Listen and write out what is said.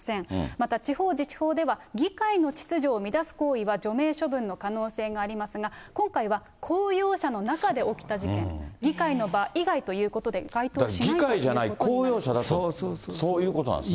また地方自治法では議会の秩序を乱す行為は除名処分の可能性がありますが、今回は公用車の中で起きた事件、議会の場以外ということで、該当しないということです。